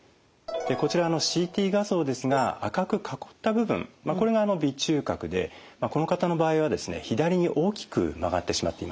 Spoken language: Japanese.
こちらＣＴ画像ですが赤く囲った部分これが鼻中隔でこの方の場合は左に大きく曲がってしまっています。